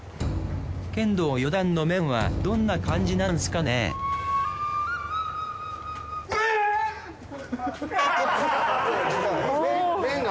剣道４段の面はどんな感じなんすかね面が。